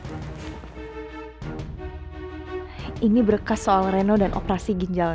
sini ini berkas soal reno dan operasi ginjalnya